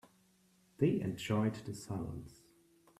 They enjoyed the silence.